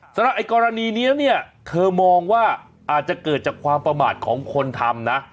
สำหรับไอ้กรณีนี้เนี่ยเธอมองว่าอาจจะเกิดจากความประมาทของคนทำนะ